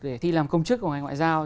để thi làm công chức của ngành ngoại giao